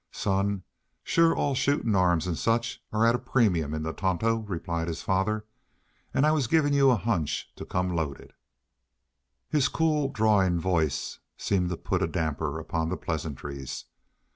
"Son, shore all shootin' arms an' such are at a premium in the Tonto," replied his father. "An' I was givin' you a hunch to come loaded." His cool, drawling voice seemed to put a damper upon the pleasantries.